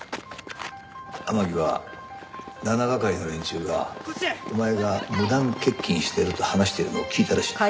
天樹は７係の連中がお前が無断欠勤していると話しているのを聞いたらしいんだ。